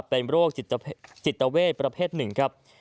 เป็นโรคจิตเวทประเภทหนึ่งครับ